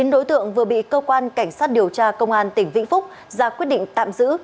chín đối tượng vừa bị cơ quan cảnh sát điều tra công an tỉnh vĩnh phúc ra quyết định tạm giữ